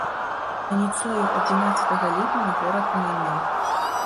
Раніцою адзінаццатага ліпеня горад анямеў.